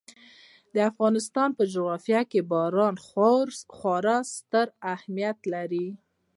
د افغانستان په جغرافیه کې باران خورا ستر اهمیت لري.